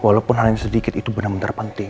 walaupun hal yang sedikit itu benar benar penting